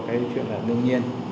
cái chuyện là đương nhiên